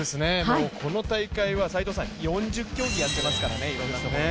この大会は４０競技やっていますからね、いろんなところで。